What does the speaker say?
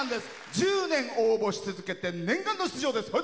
１０年応募し続けて念願の出場です。